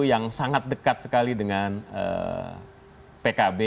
yang sangat dekat sekali dengan pkb